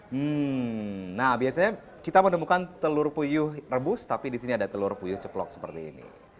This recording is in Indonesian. hmm nah biasanya kita menemukan telur puyuh rebus tapi di sini ada telur puyuh ceplok seperti ini